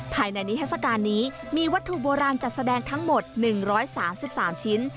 ภายในนิทัศกาลนี้มีวัตถุโบราณจัดแสดงทั้งหมด๑๓๓ชิ้น